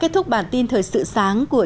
có thể làm thêm nhiều hành riết quả